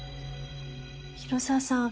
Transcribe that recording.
広沢さん